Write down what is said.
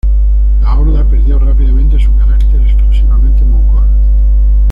La Horda perdió rápidamente su carácter exclusivamente mongol.